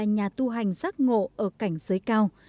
nhà tu hành giác ngộ ở cảnh giới cao